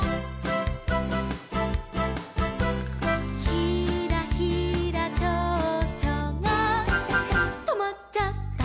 「ひらひらちょうちょがとまっちゃった」